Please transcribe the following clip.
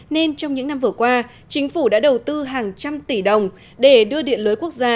nên trong những năm vừa qua chính phủ đã đầu tư hàng trăm tỷ đồng để đưa điện lưới quốc gia